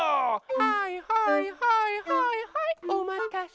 はいはいはいはいはいおまたせ。